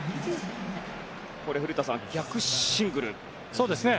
古田さん逆シングルでしたね。